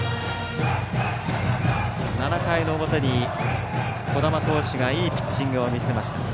７回の表に小玉投手がいいピッチングを見せました。